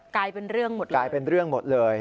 กลายเป็นเรื่องหมดเลย